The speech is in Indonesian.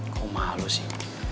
kok malu sih